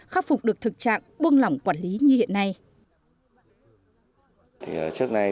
khắc phục được thực trạng buông lỏng quản lý như hiện nay